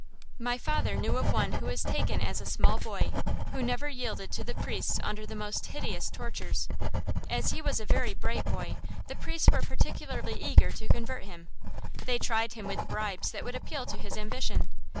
My father knew of one who was taken as a small boy, who never yielded to the priests under the most hideous tortures. As he was a very bright boy, the priests were particularly eager to convert him. They tried him with bribes that would appeal to his ambition.